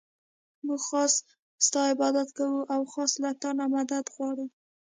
مونږ خاص ستا عبادت كوو او خاص له تا نه مدد غواړو.